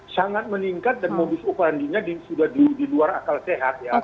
sangat meningkat dan modus operandinya sudah di luar akal sehat ya